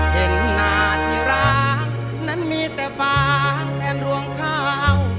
เห็นหน้าที่รักนั้นมีแต่ฟางแทนรวงข้าว